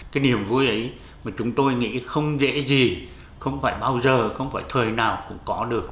cái niềm vui ấy mà chúng tôi nghĩ không dễ gì không phải bao giờ không phải thời nào cũng có được